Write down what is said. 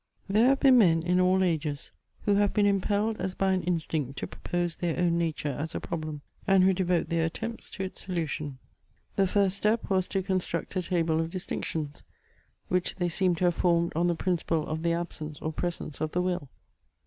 There have been men in all ages, who have been impelled as by an instinct to propose their own nature as a problem, and who devote their attempts to its solution. The first step was to construct a table of distinctions, which they seem to have formed on the principle of the absence or presence of the Will.